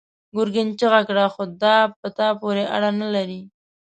ګرګين چيغه کړه: خو دا په تا پورې اړه نه لري!